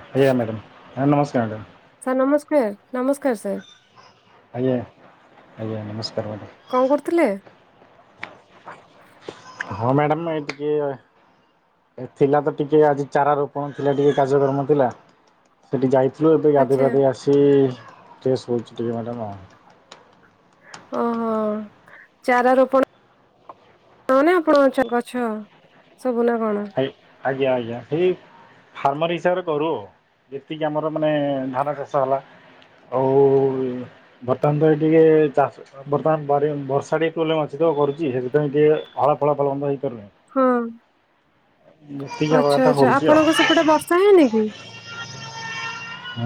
ଆଜ୍ଞା ମ୍ୟାଡ଼ାମ। ଆଜ୍ଞା ନମସ୍କାର ମ୍ୟାଡ଼ାମ। କିଏ, ନମସ୍କାର ସାର୍। ଆଜ୍ଞା, ଆଜ୍ଞା ନମସ୍କାର ଭା କଣ କରୁଥିଲେ? ହଁ ମ୍ୟାଡ଼ାମ ଏଇ ଟିକେ। ଏ ଥିଲା ତ ଟିକେ ଆଜି ଚାରା ରୋପଣ ଥିଲା ଟିକେ କାର୍ଯ୍ୟକ୍ରମ ଥିଲା ସେ ଟିକେ ଯାଇ, ସ୍ଲୁ ଏବେ ଗାଧେଇ ଆଚ୍ଛା ପାଧେଇ ଆସି କି ଡ୍ରେସ୍ [unintelligible] ଟିକେ ମ୍ୟାଡ଼ାମ ଆଉ। ଓହୋ ଚାରା ରୋପଣ। ହ ନା ଆପଣ ଅଞ୍ଚଳ ଗଛ ସବୁ ନା କଣ? ଆଇ- ଆଜ୍ଞା ଆଜ୍ଞା ଠିକ। ଫାର୍ମର ହିସାବରେ କରୁ ଆଉ ଯେତିକି ଆମର ମାନେ ଧାନ ଚାଷ ହେଲା। ଆଉ ବର୍ତ୍ତମାନ ତ ଟିକେ ଚାଷ ବର୍ତ୍ତମାନ ବାରି ବର୍ଷା ଟିକେ ପ୍ରୋବ୍ଲେମ ଅଛି। ତ କରୁଛି। ସେଥିପାଇଁ ଟିକେ ଫଳା ଫଳ ଫଳନ୍ଦ ହେଇପାରୁନାହିଁ। ହଁ। ଯେତିକି ହବା ଆଚ୍ଛା କଥା ଆଚ୍ଛା ହେଉଛି ଆଉ ଆପଣଙ୍କ ସେପଟେ ବର୍ଷା ହେଇନି କି?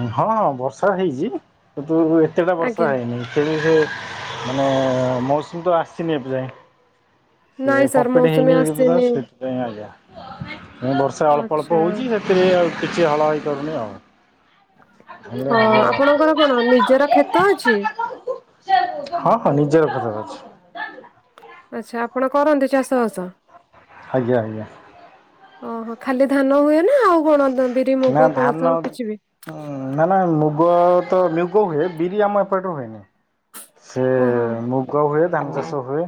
ଅଁ ହଁ ବର୍ଷା ହେଇଛି। କିନ୍ତୁ ଏତେଟା ଆଜ୍ଞା ବର୍ଷା ହେଇନି। ସେ ମାନେ ମୌସୁମୀ ତ ଆସିନି ଏବ ଯାଏ ସେ ନାଇଁ ସାର୍ କମ୍ପିଟ ମୌସୁମୀ ହେଇନି ପୁରା ଆସିନି ସେଥିପାଇଁ ଆଇ ମୁଁ ବର୍ଷେ ଅଳ୍ପ ଆଚ୍ଛା ଅଳ୍ପ ହଉଚି ସେଥିରେ ଆଉ କିଛି ହଳ ହେଇ ପାରୁନି ଆଉ। ହେଲେ ହଁ ହବ ଆଉ। ଆପଣଙ୍କର କଣ ନିଜର କ୍ଷେତ ଅଛି? ହଁ ହଁ ନିଜର କ୍ଷେତ। ଆଛା ଆପଣ କରନ୍ତି ଚାଷବାସ ଆଜ୍ଞା ଆଜ୍ଞା। ଓହୋ ଖାଲି ଧାନ ହୁଏ ନା ଆଉ କଣ ବିରି ନା ମୁଗ ଧାନ କୋଳଥ କିଛି ବି ନା ନା ମୁଗ ତ ମିଗୁ ହୁଏ ବିରି ଆମ ଏପଟେ ହୁଏନି। ସେ ଓହୋ ମୁଗ ହୁଏ ଧାନ ଚାଷ ହୁଏ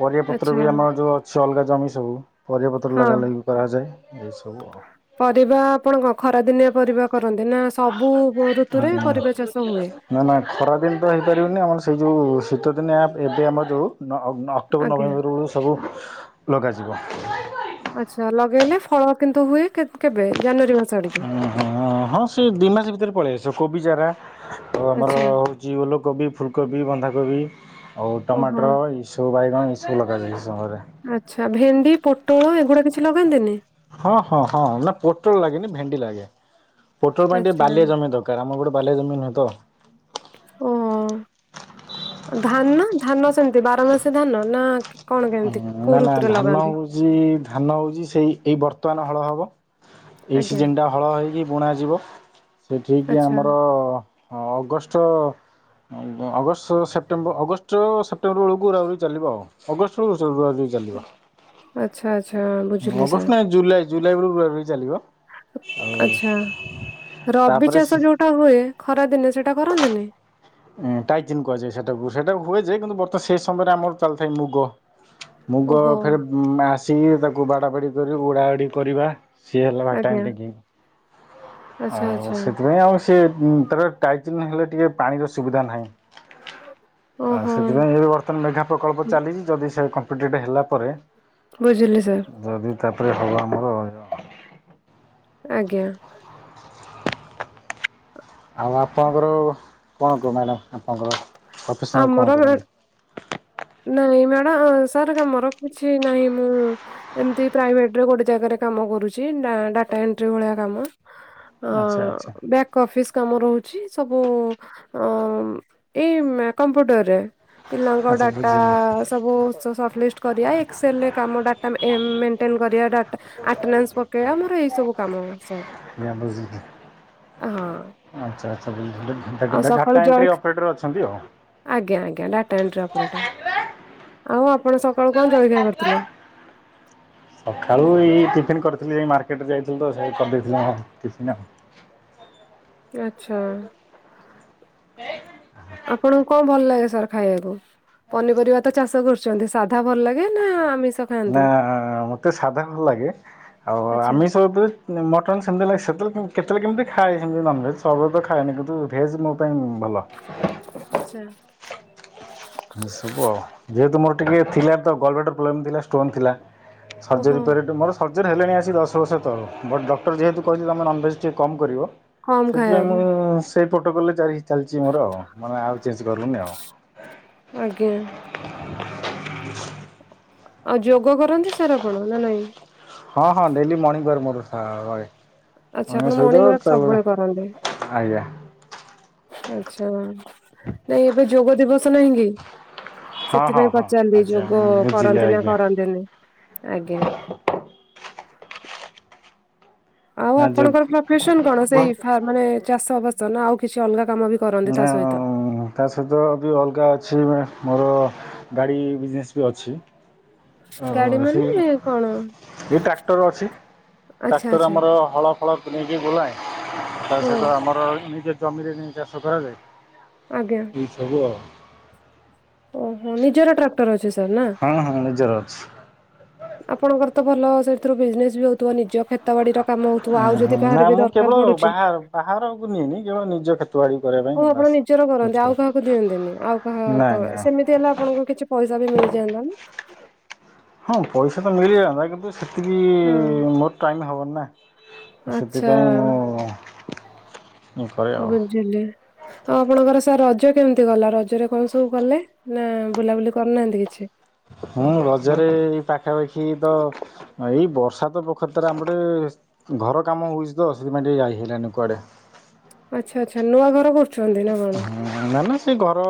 ପରିବା ପତ୍ର ଆଚ୍ଛା ବି ଆମର ଯୋଉ ଅ ଜଉ ଅଲଗା ଜମି ସବୁ ପରିବାପତ୍ର ହଁ ଲଗା ଲାଗି କରାଯାଏ ଏ ସବୁ ଆଉ। ପରିବା ଆପଣ କଣ ଖରା ଦିନିଆ ପରିବା କରନ୍ତି ନା ସବୁ ଋତୁରେ ପରିବା ଚାଷ ହୁଏ ନା ନା ଖରା ଦିନ ତ ହେଇପାରିବନି ଆମର ସେଇ ଯଉଁ ତ ଶୀତଦିନିଆ ଏବେ ଆମର ଯଉଁ ଅ ଅ ଅକ୍ଟୋବର ଆଜ୍ଞା ନଭେମ୍ବର ବୋଳୁ ସବୁ ଲଗାଯିବ। ଆଛା ଲଗେଇଲେ ଫଳ କିନ୍ତୁ ହୁଏ କେତ କେ ଜାନୁଆରୀ ମାସ ଆଡିକି? ଅହଁ ହଁ ସେ ଦି ମାସ ଭିତରେ ପଳେଇ ଆସି କୋବି ଚାରା ଆଉ ଆଚ୍ଛା ଆମର ହଉଚି ଓଲକୋବି ଫୁଲକୋବି ବନ୍ଧାକୋବି ଆଉ ଓହୋ ଟମାଟର ଏସବୁ ବାଇଗଣ ଏସବୁ ଲଗାଯ ଆଛା ଭେଣ୍ଡି ପୋଟଳ ଏଗୁଡ଼ା କିଛି ଲଗାନ୍ତିନି ହଁ ହଁ ହଁ ନା ପୋଟଳ ଲାଗେନି ଭେଣ୍ଡି ଲାଗେ। ପୋଟଳ ପାଇଁ ଟିକେ ଆଚ୍ଛା ବାଲିଆ ଜମି ଦକାର ଆମର ଗୋଟେ ବାଲିଆ ଜମି ନୁହେଁ ତ। ଓହୋ ଧାନ ଧାନ ସେମିତି ବାର ମାସ ଧାନ ନା କି- କଣ ହଁ କେମିତି କୋଉ ନା ନା ଋତୁରେ ଧାନ ଲଗାନ୍ତି? ହଉଛି ଧାନ ହଉଚି ସେଇ ଏଇ ବର୍ତ୍ତମାନ ହଳ ହବ। ଏଇ ଆଜ୍ଞା ସିଜନ ଟା ହଳ ହେଇକି ବୁଣା ଯିବ ସେ ଠିକିି ଆଚ୍ଛା ଆମର ଅ ଅଗଷ୍ଟ ଅଗ ଅଗଷ୍ଟ ସେ ସେପ୍ଟେମ୍ବର ଅଗଷ୍ଟ ସେପ୍ଟେମ୍ବର ବେଳକୁ ହୁରାହୁରି ଚାଲିବ ଆଉ ଅଗ [unintelligible] ଦେଇ ଚାଲିବ। ଆଛା। ଅଗଷ୍ଟ ନାଇ ଜୁଲାଇ ଜୁଲାଇ ବେଳୁ ବେଳେବେଳେ ଚାଲିବ। ଆଉ ଆଛା। ରବି ତାପରେ ଚାଷ ଯୋଉଟା ହୁଏ ଖରା ଦିନେ ସେଟା କରନ୍ତିନି ଉଁ ଟାଇଚେନ କୁହାଯାଏ ସେଟାକୁ ସେଟାକୁ ହୁଏ ଯେ କିନ୍ତୁ ବର୍ତ୍ତମାନ ସେ ସମୟରେ ଆମର ଚାଲିଥାଏ ମୁଗ। ମୁଗ ଓହୋ ଫେର ଆସିଙ୍କି ତାକୁ ବାଡା ବାଡି କରି ଉଡା ଉଡି କରିବା ସିଏ ହେଲା ବା ଟାଇମ ଆଜ୍ଞା ଟା କି ଆଚ୍ଛା ଆଉ ଆଚ୍ଛା ସେଥିପାଇଁ ତି ତାପରେ ଟାଇଚିନ ହେଲେ ଟିକେ ପାଣିର ସୁବିଧା ନାହିଁ। ଆଉ ଓହୋ। ସେଥିପାଇଁ ଏବେ ବର୍ତ୍ତମାନ ମେଘା ପ୍ରକଳ୍ପ ଚାଲିଚି ଯଦି ସେ [unintelligible] ହେଲା ପରେ ବୁଝିଲି ସାର। ଯଦି ତାପରେ ହବ ଆମର [unintelligible] ଆଜ୍ଞା। ଆଉ ଆପଣ ଙ୍କର ଙ୍କ ଙ୍କ ମ୍ୟାଡ଼ାମ୍ ପ୍ରଫେସନାଲ୍ କଣ ଆମର କରନ୍ତି? ନାଇଁ ନାଇ ଆ ଆଁ ସାର୍ କାମର କିଛି ନାହିଁ ମୁଁ ଏମତି ପ୍ରାଇଭେଟରେ ଗୋଟେ ଜାଗାରେ କାମ କରୁଚି। ଆଁ ଡାଟା ଏଣ୍ଟ୍ରି ଭଳିଆ କାମ ଅ ଆଚ୍ଛା ଆଚ୍ଛା ବ୍ୟାକ୍ ଅଫିସ କାମ ରହୁଚି ସବୁ ଅ ଏଇ କମ୍ପ୍ୟୁଟରରେ। ପିଲାଙ୍କ ଆଚ୍ଛା ଡାଟା ବୁଝିଲି ସବୁ ସ ସଲିଷ୍ଟ କରିବା ଏକ୍ସେଲରେ କାମ ଡାଟା ଏମ ଆଟେଣ୍ଟ କରିବା ଡାଟା ଆଟନାସ ପକେଇବା ମୋର ଏଇ ସବୁ କାମ। [unintelligible] ଆଛା ହଁ ଆଛା ଡାଟା ଏଣ୍ଟ୍ରି ଆଉ ସକାଳୁ ଅପରେଟର ଜଳ ଅଛନ୍ତି ଆଉ। ଆଜ୍ଞା ଆଜ୍ଞା ଡାଟା ଏଣ୍ଟ୍ରି ଅପରେଟର। ଆଉ ଆପଣ ସକାଳୁ କଣ ଜଳଖିଆ କରିଥିଲେ? ସକାଳୁ ଏଇ ଟିଫନ୍ କରିଥିଲି ଯେ ମାର୍କେଟରେ ଯାଇଥିଲି ତ ସେଇଠି କରିଦେଇଥିଲି ଟିଫନ ଆଉ। ଆଛା। ଏ କଣ ଭଲ ଲାଗେ ସାର୍ ଖାଇବାକୁ ପନିପରିବା ତ ଚାଷ କରୁଛନ୍ତି ସାଧା ଭଲ ଲାଗେ ନା ଆମ ନା ମତେ ସାଧା ଭଲ ଲାଗେ ଆଉ ଆଚ୍ଛା ଆମିଷ ଉପରେ ମଟନ ସେମତି ଲାଗେ ସେତେବେଳେ କେ କେତବେଳେ କେମତି ଖାଏ ସେମିତି ନନଭେଜ୍ ସର୍ବତ ଖାଏନି କିନ୍ତୁ ଭେଜ ମୋ ପାଇଁଁ ଭଲ ଆଚ୍ଛା ଏ ସବୁ ଆଉ ଯେହତୁ ମୋର ଟିକେ ଥିଲା ତ ଗଲବ୍ଳାଡ଼ର ପ୍ରୋବ୍ଲେମ୍ ଥିଲା ଷ୍ଟୋନ୍ ଥିଲା ଓହୋ ସର୍ଜରୀ ପରେ ମୋର ସର୍ଜରୀ ହେଲାଣି ଦଶବର୍ଷ ତଳୁ ତ ବଟ ଡକ୍ଟର ଯେହେତୁ କହିଥିଲା ତୁମେ ନନ୍ଭେଜ୍ ଟିକେ କମ୍ କରିବ କମ୍ ସେଥିପାଇଁ ଖାଇବାକୁ ମୁଁ ସେ ପ୍ରଟୋକଲ ଜାରି ଚାଲିଛି ମୋର ଆଉ ମାନେ ଆଉ ଚେଞ୍ଜ କରୁନି ଆଉ। ଆଜ୍ଞା ହ ଆଉ ଯୋଗ କରନ୍ତି ସାର୍ ଆପଣ ନା ନାଇଁ? ହଁ ହଁ ଡେଲି ମର୍ଣିଂ ମୋର ରହେ। ଆଚ୍ଛା ନ୍ୟ ଆପଣ ସହିତ ମର୍ଣ୍ଣିଂ ୱାକ୍ ତାପରେ ସବୁବେଳେ କରନ୍ତି ଆଜ୍ଞା। ଆଛା ନାଇଁ ଏବେ ଯୋଗ ଦିବସ ନାହିଁ କି। ହଁ ହଁ ସେଥିପାଇଁ ହଁ ପଚାରିଲି ଆଚ୍ଛା ଯୋଗ ବୁଝିଲି କରନ୍ତି ନା ଆଜ୍ଞା କରନ୍ତିନି। ଆଜ୍ଞା। ଆଉ ନା ଯୋଗ ଆପଣଙ୍କର ପ୍ରଫେସନ କଣ ସେଇମାନେ ଚାଷବାସ ନା ଆଉ କିଛି ଅଲଗା? କାମ ବି କରନ୍ତି ତା ନା ସହିତ? ତା ସହିତ ବି ଅଲଗା ଅଛି? ମୋର ଗାଡ଼ି ବିଜନେସ୍ ବି ଅଛି। ଓ ଗାଡି ସେ ମାନେ କଣ ଏ ଟ୍ରାକ୍ଟର ଅଛି। ଆଚ୍ଛା ଟ୍ରାକ୍ଟର ଆଚ୍ଛା ଆମର ହଳ ଫଳକୁ ନେଇକି ବୁଲାଏ ତା ହଁ ସହିତ ଆମର ନିଜେ ଜମିରେ ନେଇ ଚାଷ କରାଯାଏ। ଆଜ୍ଞା ଏନ୍ଟି ସବୁ ଓହୋ ନିଜର ଟ୍ରାକ୍ଟର ଅଛି? ସାର୍ ନା ହଁ ହଁ ନିଜର ଅଛି। ଆପଣଙ୍କର ତ ଭଲ ସେଥିରୁ ବିଜନେସ ବି ହଉଥିବା ନିଜ ତ ବାଡିର କାମ ହଉଥିବ ଆଉ ଯଦି ନା କାହାର ବି ମୁଁ କେବଳ ଦରକାର ପଡୁଛି। ବାହାର ବାହାରକୁ ନିଏନି କେବଳ ନିଜ କ୍ଷେତ ବାଡ଼ି କରିବା ପାଇଁ କଉ ଆପଣ ବାସ୍ ନିଜର କରନ୍ତି ଆଉ ବୁଝିପାରୁଛି କାହାକୁ ଦିଅନ୍ତିନି ଆଉ ନାଇଁ କାହା ନାଇଁ ସେମିତି ହେଲା ଆପଣଙ୍କୁ କିଛି ପଇସା ବି ମିଳିଯାଆ [unintelligible] ହଁ ପଇସା ତ ମିଳିଯାନ୍ତା କିନ୍ତୁ ସେତିକି ହଁ ମୋର ଟାଇମ ହବନି। ଆଚ୍ଛା ସେଥିପାଇଁ ମୁଁ ଇଏ କରେ ଆଉ ବୁଝିଲେ ଆଉ ଆପଣଙ୍କର ସାର୍ ଅଜ ରଜ କେମିତି ଗଲା ରଜରେ କଣ ସବୁ କଲେ ନା ବୁଲାବୁଲି କରି ନାହାନ୍ତି କିଛି? ହଁ ରଜରେ ପାଖାପାଖି ତ ଏଇ ବର୍ଷା ତ ପ୍ରଖର ଆମରଟିକେ ଘର କାମ ହଉଛି ତ ସେଥିପାଇଁ ଟିକେ ଯାଇ ହେଲାନି କୁଆଡେ। ଆଚ୍ଛା ଆଚ୍ଛା ନୂଆ ଘର କରୁଛନ୍ତି ନା କଣ? ନା ନା ସେ ଘର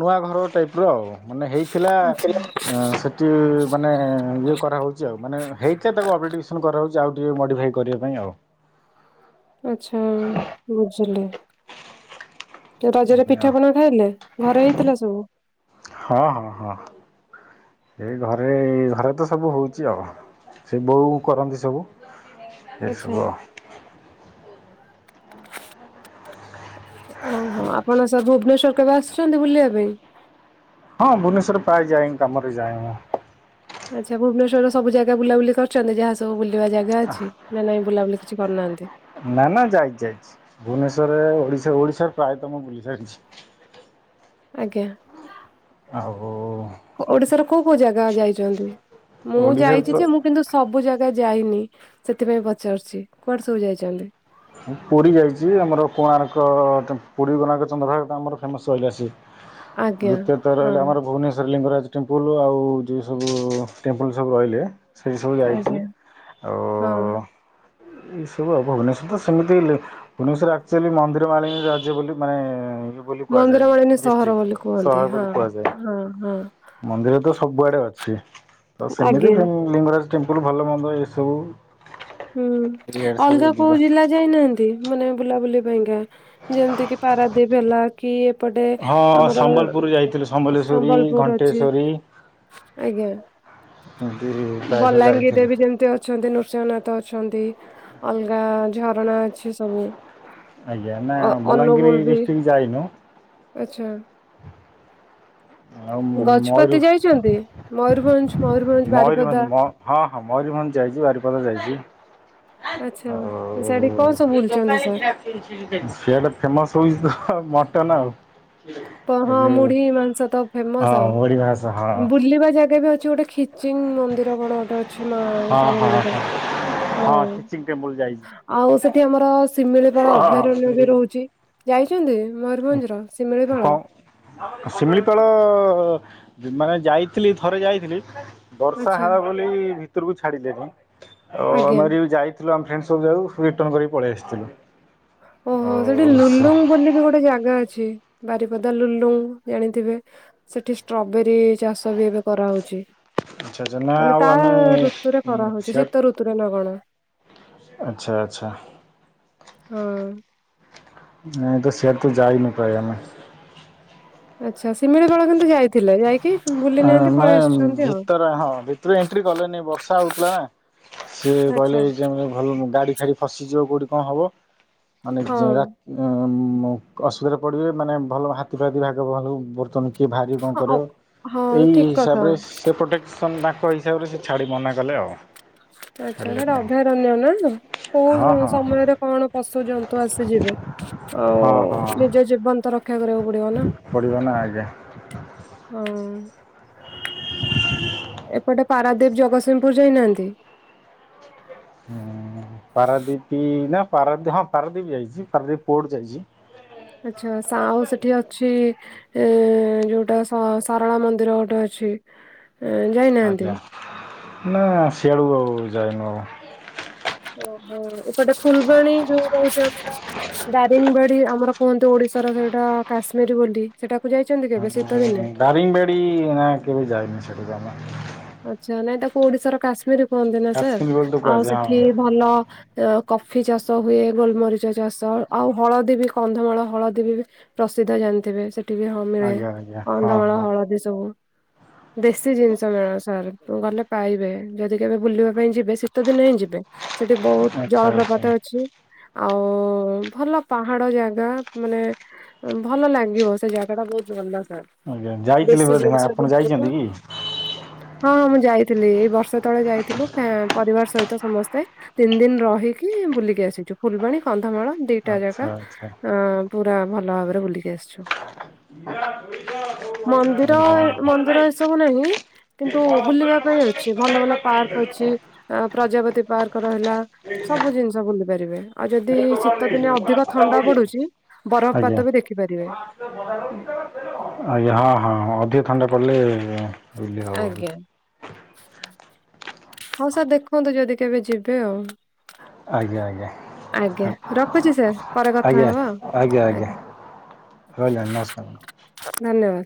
ନୂଆ ଘର ଟାଇପ୍ ର ଆଉ ମାନେ ହେଇଥିଲା ଆଚ୍ଛା ସେଠି ମାନେ ଇଏ କରାହେଉଛି ଆଉ ମାନେ ହେଇଥିଲା ତାକୁ ଆଉ ଟିକେ ମଡିଫାଇ କରିବା ପାଇଁ ଆଉ ଆଛା ବୁଝିଲି। ରଜରେ ପିଠାପଣା ଖାଇଲେ ଘରେ ହେଇଥିଲା ସବୁ। ହଁ ହଁ ହଁ ଏଇ ଘରେ ଘରେ ତ ସବୁ ହଉଛି ଆଉ ସେ ବୋଉ କରନ୍ତି ସବୁ। ଆଚ୍ଛା ଏସବୁ ଓହୋ ଆପଣ ସାର୍ ଭୁବନେଶର କେବେ ଆସୁଛନ୍ତି ବୁଲିବା ପାଇଁ? ହଁ ଭୁବନେଶର ପ୍ରାୟ ଯାଏ କାମରେ ଯାଏ ମୁଁ ଆଚ୍ଛା ଭୁବନେଶ୍ୱରରେ ସବୁ ଜାଗା ବୁଲାବୁଲି କରିଛନ୍ତି? ଯାହା ସବୁ ବୁଲିବା ଜାଗା ଅଛି ନା ନାଇଁ ବୁଲାବୁଲି କିଛି କରିନାହାନ୍ତି ନା ନା ଯାଇଛି ଯାଇଛି ଭୁବନେଶ୍ଵରରେ ଓଡିଶାରେ ପ୍ରାୟ ତ ମୁଁ ବୁଲି ସାରିଛି। ଆଜ୍ଞା। ଆଉ। ଓଡିଶାର କୋଉ କୋଉ ଜାଗା ଯାଇଛନ୍ତି? ମୁଁ ଓଡ଼ିଶାରେ ଯାଇଛି ତ ଯେ ମୁଁ କିନ୍ତୁ ସବୁ ଜାଗା ଯାଇନି ସେଥିପାଇଁ ପଚାରୁଛି। କୁଆଡେ ସବୁ ଯାଇଛନ୍ତି? ପୁରୀ ଯାଇଛି ଆମର କୋଣାର୍କ, ପୁରୀ, କୋଣାର୍କ ଚନ୍ଦ୍ରଭାଗ, ଆମର ଫେମସ ଅଇକା ସିଏ। ଆଜ୍ଞା ଦ୍ଵିତୀୟତ ହଁ ରହିଲେ ଆମର ଭୁବନେଶ୍ଵର ଲିଙ୍ଗରାଜ ଟେମ୍ପୁଲ ଆଉ ଯଉ ସବୁ ଟେମ୍ପଲ ସବୁ ରହିଲେ ସେଇଠି ସବୁ ଯାଇଛି ଆଜ୍ଞା ହଁ। ଆଉ ଏଇ ସବୁ ଆଉ ଭୁବନେଶ୍ୱଵର ତ ସେମିତି ଭୁବନେଶ୍ୱର ଆକ୍ଚୁଆଲି ମନ୍ଦିର ମାଳିନୀ ରାଜ୍ୟ ବୋଲି ମାନେ ବୋଲି କହାଯାଏ। ମନ୍ଦିରମାଳିନୀ ସହର ଡିଷ୍ଟ୍ରିକ ବୋଲି କୁହନ୍ତି ସହର ହଁ ବୋଲି କୁହାଯାଏ ହଁ ହଁ ମନ୍ଦିର ତ ସବୁଆଡେ ଅଛି ତ ସେମିତି ଆଜ୍ଞା। ଲିଙ୍ଗରାଜ ଟେମ୍ପଲ ଭଲ ମନ୍ଦ ଏ ସବୁ ହୁଁ ଅଲଗା କୋଉ ଯିବା। ଜିଲ୍ଲା ଯାଇନାହାନ୍ତି ମାନେ ବୁଲାବୁଲି ପାଇଁକା? ଯେମିତି କିି ପାରାଦୀପ ହେଲା କି ଏପଟେ ହଁ ଆମର ସମ୍ବଲପୁର ଯାଇଥିଲୁ ସମ୍ବଲେଶ୍ୱରୀ ସମ୍ବଲପୁର ଅଛି ଘଣ୍ଟେଶ୍ୱରୀ ଆଜ୍ଞା ଏମିତି ପ୍ରାୟତଃ ବଲାଙ୍ଗୀର ଯାଇଥିଲୁ। ଯେମିତି ଅଛନ୍ତି ନୃସିଂହନାଥ ଅଛନ୍ତି। ଅଛନ୍ତି ଅଲଗା ଝରଣା ଅଛି ସବୁ ଆଜ୍ଞା ନା ଅ ବଲାଙ୍ଗୀର ଅନୁଗୁଳ ବି ଡିଷ୍ଟ୍ରିକ୍ଟ ଯାଇନୁ। ଆଚ୍ଛା। ଆଉ ମୟୂର ଗଜପତି ଯାଇଛନ୍ତି ମୟୁ ମୟୂରୀଭଞ୍ଜ ମ ହଁ ହଁ ମୟୂରଭଞ୍ଜ ଯାଇଛି ବାରିପଦା ଯାଇଛି। ଆଚ୍ଛା। ସେଠି କଣ ସବୁ ବୁଲିଛନ୍ତି ସାର୍? ସେଆଟା ଫେମସ ହୋଉଛି ତ ଟ ନା ଆଉ ଏ ହଁ ଯୋଉ ମୁଢି ମାଂସ ତ ଫେମସ ହଁ ଆଉ। ଓଡିଆ ଭାଷା ହଁ ବୁଲିବା ଜାଗା ବି ଅଛି ଗୋଟେ ଖୀଚ ଚିଂ ମନ୍ଦିର କଣ ଗୋଟେ ଅଛି ହଁ ମାଙ୍କ ହଁ ମନ୍ଦିର ହଁ ହଁ ଖିଚିଙ୍ଗ ଟେମ୍ପଲ ଯାଇଛି। ଆଉ ସେଠି ଆମର ଶିମିଳିପାଳ ଅଭୟାରଣ୍ୟ ବି ରହୁଛି। ଯାଇଛନ୍ତି ମୟୂରଭଞ୍ଜର? ଶିମିଳିପାଳ କଣ ଶିମିଳିପାଳ? ମାନେ ଯାଇଥିଲି ଥରେ ଯାଇଥିଲି ବର୍ଷା ଆଚ୍ଛା ହେଲା ବୋଲି ଭିତରକୁ ଛାଡିଲେନି ଆଉ ଆଜ୍ଞା ଆମେ ଯାଇ ଆମେ ଫ୍ରେଣ୍ଡ ସବୁ ଯାଉ ରିଟର୍ଣ କରିକି ପଳେଇ ଆସିଥିଲୁ। ଓହୋ ଆଉ ସେଠି ଆଚ୍ଛା ଲୁଲୁଙ୍ଗ ବୋଲି ବି ଗୋଟେ ଜାଗା ଅଛି। ଅଛି ବାରିପଦା ଲୁଲୁଙ୍ଗ ଜାଣିଥିବେ ସେଠି ଷ୍ଟ୍ରବେରୀ ଚାଷ ବି ଏବେ କରାହେଉଛି। ଆଚ୍ଛା ନା ମାନେ ଆଉ ତା ଆମେ ଋତୁରେ କରାହଉଛି ସିଆଡ଼େ ଶୀତ ଋତୁରେ ନା କଣ? ଆଚ୍ଛା ଆଚ୍ଛା। ହଁ। ମୁ ତ ସିଆଡେ ତ ଯାଇନୁ ପ୍ରାୟ ଆମେ। ଆଚ୍ଛା ଶିମିଳିପାଳ କିନ୍ତୁ ଯାଇ ମାନେ ଆଉ ଭିତରେ ହଁ ଭିତରେ ଏଣ୍ଟ୍ରି କଲେନି ବର୍ଷା ହଉଥିଲା ନା ସିଏ କହିଲେ ଆଚ୍ଛା ଏଇ ଟାଇମ୍ ରେ ଭଲ ନୁହଁ ଗାଡି ଖାଡି ଫସିଯିବ କୋଉଠି କଣ ହବ? ମାନେ ଯେ ରା ହଁ ଆମ୍ ମୁଁ ଅସୁବିଧାରେ ପଡ଼ିବେ ମାନେ ଭଲ ହାତୀଫାତି ଭାଗ ଭାଲୁ ବର୍ତ୍ତମାନ କିଏ ଭାରିବ ହଁ କରିବ ହଁ ଏଇ ଠିକ କଥା ହିସାବରେ ସେ ପ୍ରୋଟେକ୍ସନ ତାଙ୍କ ହିସାବରେ ସେ ଛାଡି ମନା କଲେ ଆଉ। ଆଚ୍ଛା ସେଇଟା ଛାଡ଼ିଲେନି ଆଉ ଅଭୟାରଣ୍ୟ ନା ହଁ କୋଉ ହଁ ସମୟରେ କଣ ପଶୁ ଜନ୍ତୁ ଆସିଯିବେ। ଆଉ ହଁ ହଁ ନିଜ ଜୀବନ୍ତର ଦେଖା କରିବାକୁ ପଡିବ ନା ପଡ଼ିବ ନା ଆଜ୍ଞା। ହଁ ହ ଏପଟେ ପାରାଦୀପ ଜଗତସିଂହପୁର ଯାଇନାହାନ୍ତି? ହଁ ପାରାଦୀପୀ ନା ପାରା ହଁ ପାରାଦୀପ ଯାଇଚି ପାରାଦୀପ ପୋର୍ଟ ଯାଇଚି। ଆଚ୍ଛା ସାଉଁ ସେଠି ଅଛି। ଏ ଯୋଉଟା ସା-ସାରଳା ମନ୍ଦିର ଗୋଟେ ଅଛି। ଯାଇନାହାନ୍ତି? ଆଜ୍ଞା ନା ଶିଆକୁ ଆଉ ଯାଇନୁ ଆଉ। ଓହୋ ଏପଟେ ଫୁଲବାଣୀ ଯୋଉ ରହୁଚି ଆମର ଦାରିଙ୍ଗବାଡି ଆମର କୁହନ୍ତି ଓଡିଶାର ସେଇଟା କାଶ୍ମୀର ବୋଲି ସେଟା ଦାରିଙ୍ଗ ବାଡି ନା କେବେ ଯାଇନି ସେଠିକୁ ଆମେ। ଆଚ୍ଛା ନାଇଁ ତାକୁ ଓଡିଶାର କାଶ୍ମୀର କୁହନ୍ତି ନା ସାର୍ କାଶ୍ମୀର ବୋଲି ତ ଆଉ କୁହାଯାଏ ହଁ ସେଠି ଭଲ କଫି ଚାଷ ହୁଏ ଗୋଲମରିଚ ଚାଷ ଆଉ ହଳଦୀ ବି କନ୍ଧମାଳ ହଳଦୀ ବି ପ୍ରସିଦ୍ଧ ଜା ଣିଥିବେ ସେଠି ବି ହଁ ମିଳେ ଆଜ୍ଞା ଆଜ୍ଞା ହଁ କନ୍ଧମାଳ ହଁ ହଳଦୀ ସବୁ ଦେଶୀ ଜିନିଷ ମେଳ ସାର୍ ଗଲେ ପାଇବେ ଯଦି କେବେ ବୁଲିବା ପାଇଁ ଜିବେ ଶୀତ ଦିନ ହିଁ ଯିବେ ସେଠି ବୋହୁତ ଆଚ୍ଛା ଆଚ୍ଛା। ଜଳପ୍ରପାତ ଅଛି ଆଉ ଭଲ ପାହାଡ ଜାଗା ମାନେ ଭଲ ଲାଗିବ ସେ ଜାଗା ଟା ବୋହୁତ ଭଲ। ହଁ ଆଜ୍ଞା ଯାଇଥିଲେ ବେଶୀ ବୋଧେ ନା ଜିନିଷ ଆପଣ ବି ଯାଇଛନ୍ତି ମିଳିବ। କି ହଁ ମୁଁ ଯାଇଥିଲି ଏଇ ବର୍ଷେ ତଳେ ଯାଇଥିଲୁ। ପରିବାର ସହିତ ସମସ୍ତେ ତିନି ଦିନ ରହିକି ବୁଲିକି ଆସିଚୁ ଫୁଲବାଣୀ କନ୍ଧ ମାଳ ଦିଟା ଆଚ୍ଛା ଜାଗା ଆଚ୍ଛା। ଅ ପୁରା ଭଲ ଭାବରେ ବୁଲିକି ଆସିଚୁ। ମନ୍ଦିର ମନ୍ଦିର ଏସବୁ ନାହିଁ। କିନ୍ତୁ ବୁଲିବା ପାଇଁ ଅଛି ଭଲ ଭଲ ପାର୍କ ଅଛି ପ୍ରଜାପତି ପାର୍କ ରହିଲା ସବୁ ଜିନିଷ ବୁଲି ପାରିବେ। ଆଉ ଯଦି ଶୀତ ଦିନେ ଅଧିକ ଥଣ୍ଡା ପଡୁଚି ଆଜ୍ଞା। ବରଫପାତ ବି ଦେଖିପାରିବେ। ଆଜ୍ଞା ହଁ ହଁ ଅଧିକ ଥଣ୍ଡା ପଡ଼ିଲେ ଇଏ ହବ। ହଁ ସାର୍ ଦେଖନ୍ତୁ ଯଦି କେବେ ଯିବେ ଆଉ। ଆଜ୍ଞା, ଆଜ୍ଞା। ଆଜ୍ଞା ରଖୁଚି ସାର୍ ପରେ କଥା ହବ ଆଉ ଆଜ୍ଞା। ରହିଲେଣି ନମସ୍କାର। ଧନ୍ୟବାଦ।